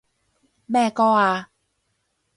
咩歌啊？